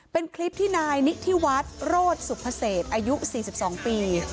เป็นคลิปที่นายนิธิวัฒน์โรธสุภเศษอายุ๔๒ปี